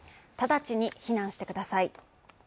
直ちに避難してください。